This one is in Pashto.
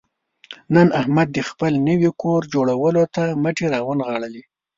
نن احمد د خپل نوي کور جوړولو ته مټې را ونغاړلې.